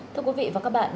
thưa quý vị và các bạn